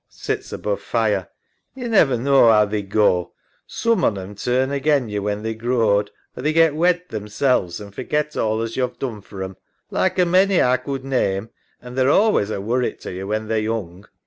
(Sits above fire) Yo never knaw 'ow they go. Soom on 'em turn again yo when they're growed or they get wed themselves an' forget all as yo've done for 'em, like a many A could name, and they're allays a worrit to yo when they're young.